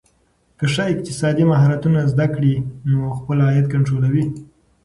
که ښځه اقتصادي مهارتونه زده کړي، نو خپل عاید کنټرولوي.